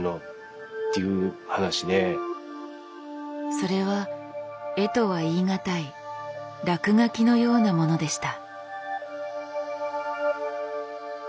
それは絵とは言い難い落書きのようなものでした。